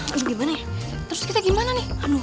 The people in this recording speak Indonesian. aduh gimana ya terus kita gimana nih